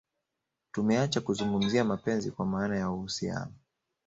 Tumeacha kuzungumzia mapenzi kwa maana ya uhusiano